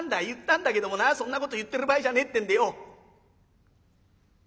言ったんだけどもなそんなこと言ってる場合じゃねえってんでよ